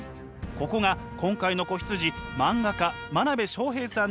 ここが今回の子羊漫画家真鍋昌平さんの仕事場です。